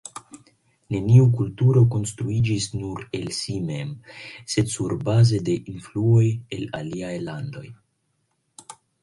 Neniu kulturo konstruiĝis nur el si mem, sed surbaze de influoj el aliaj landoj.